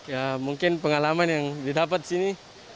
ya mungkin pengalaman yang didapat di sini